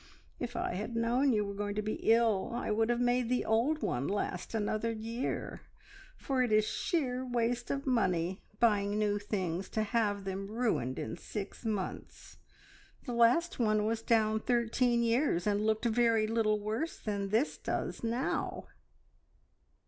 If I had known you were going to be ill I would have made the old one last another year, for it is sheer waste of money buying new things to have them ruined in six months. The last one was down thirteen years, and looked very little worse than this does now!"